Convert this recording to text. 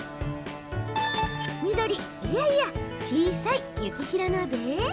緑・いやいや、小さい雪平鍋？